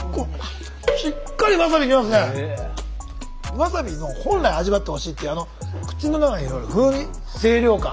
ワサビの本来味わってほしいっていうあの口の中にいわゆる風味清涼感。